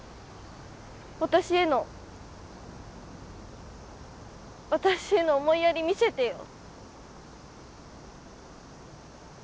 私への私への思いやり見せてよ